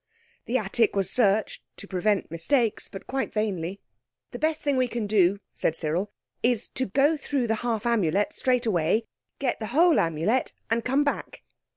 The attic was searched, to prevent mistakes, but quite vainly. "The best thing we can do," said Cyril, "is to go through the half Amulet straight away, get the whole Amulet, and come back."